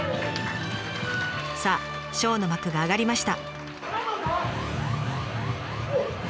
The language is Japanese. さあショーの幕が上がりました。